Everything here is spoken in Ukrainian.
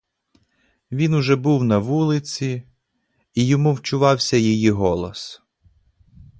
Він уже був на вулиці, і йому вчувався її голос.